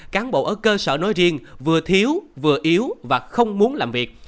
cán bộ ở cơ sở nói riêng vừa thiếu vừa yếu và không muốn làm việc